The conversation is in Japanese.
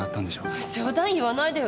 冗談言わないでよ。